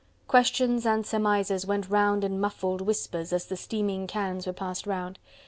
Questions and surmises went round in muffled whispers as the steaming cans were passed round.